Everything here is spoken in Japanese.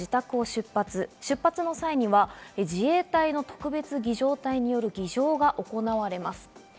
出発の際には自衛隊の特別儀仗隊による儀仗が行われます。